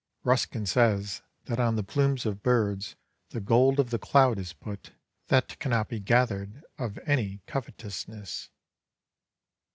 Ruskin says that on the plumes of birds the gold of the cloud is put, that cannot be gathered of any covetousness.